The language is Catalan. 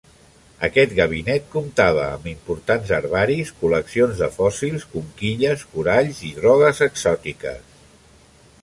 Aquest Gabinet comptava amb importants herbaris, col·leccions de fòssils, conquilles, coralls i drogues exòtiques.